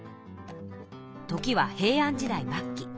時は平安時代末期。